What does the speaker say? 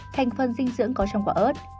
thành phần dinh dưỡng có trong quả ớt